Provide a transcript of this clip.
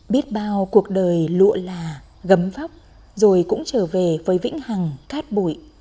biết bao cuộc đời lụa là gấm vóc rồi cũng trở về với vĩnh hằng cát bụi